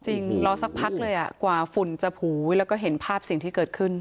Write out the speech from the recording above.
รอสักพักเลยกว่าฝุ่นจะผูแล้วก็เห็นภาพสิ่งที่เกิดขึ้น